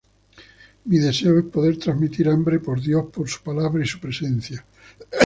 Mi deseo es poder transmitir hambre por Dios, por su palabra y su presencia.